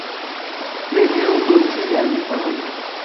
Ne diru do tiajn parolojn!